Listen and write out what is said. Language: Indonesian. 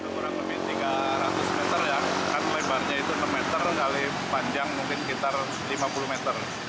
kurang lebih tiga ratus meter ya kan lebarnya itu enam meter kali panjang mungkin sekitar lima puluh meter